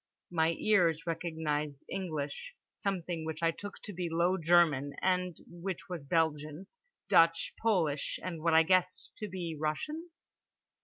My ears recognised English, something which I took to be low German and which was Belgian, Dutch, Polish, and what I guessed to be Russian.